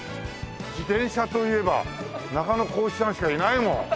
自転車といえば中野浩一さんしかいないもん。